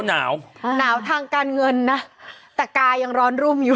หนาวหนาวทางการเงินนะแต่กายยังร้อนรุ่มอยู่